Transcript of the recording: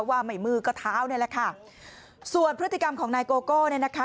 ว่าไม่มือก็เท้าเนี่ยแหละค่ะส่วนพฤติกรรมของนายโกโก้เนี่ยนะคะ